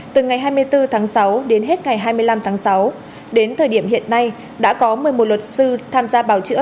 từ ngày hai mươi bốn tháng sáu đến hết ngày hai mươi năm tháng sáu đến thời điểm hiện nay đã có một mươi một luật sư tham gia bào chữa